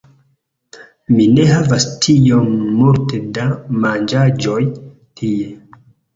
Mi ne havas tiom multe da manĝaĵoj tie